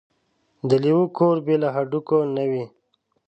ـ د لېوه کور بې له هډوکو نه وي.